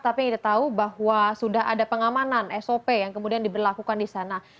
tapi kita tahu bahwa sudah ada pengamanan sop yang kemudian diberlakukan di sana